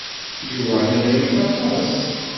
Yuba atan yerfa aṭas.